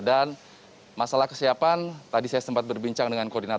dan masalah kesiapan tadi saya sempat berbincang dengan kualifikasi